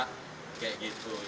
kayak gitu ya